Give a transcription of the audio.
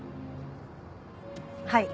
はい。